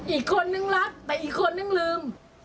อีกคนนึงรักแต่อีกคนนึงลืม